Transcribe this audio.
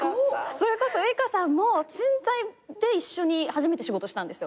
それこそウイカさんも『潜在』で一緒に初めて仕事したんですよ。